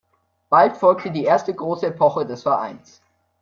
Bald folgte die erste große Epoche des Vereins.